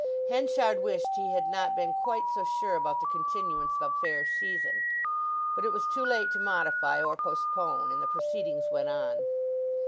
Henchard wished he had not been quite so sure about the continuance of a fair season. But it was too late to modify or postpone, and the proceedings went on.